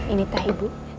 ini tante ibu